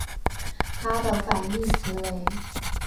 它的反义词为。